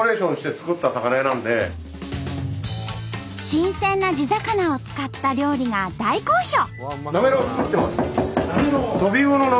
新鮮な地魚を使った料理が大好評！